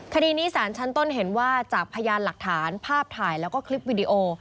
คดีนี้สารชั้นต้นเห็นว่าจากพยานหลักฐานภาพถ่ายแล้วก็คลิปวิดีโอ